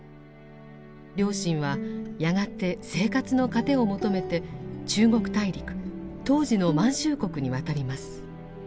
両親はやがて生活の糧を求めて中国大陸当時の満州国に渡ります。